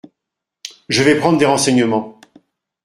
Je vais prendre des renseignements !…